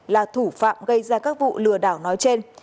là thủ phạm gây ra các vụ lừa đảo nói trên